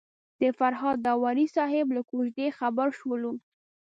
د فرهاد داوري صاحب له کوژدې خبر شولو.